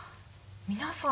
皆さん